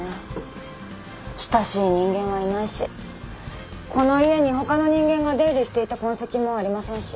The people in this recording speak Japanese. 親しい人間はいないしこの家にほかの人間が出入りしていた痕跡もありませんし。